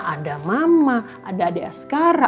ada mama ada adik askara